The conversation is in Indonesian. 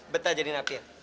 betah jadi napi ya